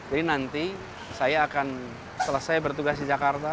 jadi nanti saya akan selesai bertugas di jakarta